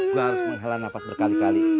gue harus menghala nafas berkali kali